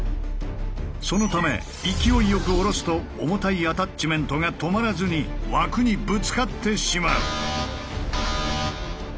そのため勢いよく下ろすと重たいアタッチメントが止まらずに枠にぶつかってしまう。